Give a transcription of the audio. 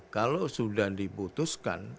kalau sudah diputuskan